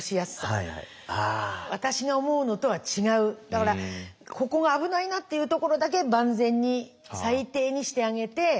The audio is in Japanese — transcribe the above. だからここが危ないなっていうところだけ万全に最低にしてあげて。